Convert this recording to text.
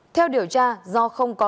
theo điều tra do không có